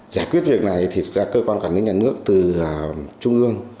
giải quyết việc này thì các cơ quan quản lý nhà nước từ trung ương